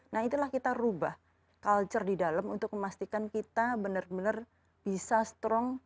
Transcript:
nah itulah kita rubah culture di dalam untuk memastikan kita benar benar bisa strong